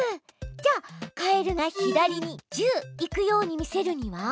じゃあカエルが左に「１０」行くように見せるには？